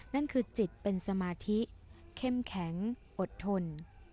นั่นคือจิตเป็นสมาธิเข้มแข็งอดทน